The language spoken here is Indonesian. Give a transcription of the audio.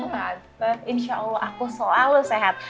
insya allah aku selalu sehat